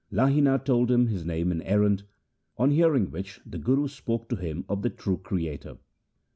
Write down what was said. Lahina told him his name and errand, on hearing which, the Guru spoke to him of the True Creator.